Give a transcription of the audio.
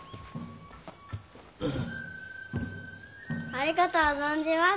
ありがとう存じます